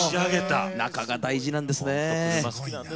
中が大事なんですね。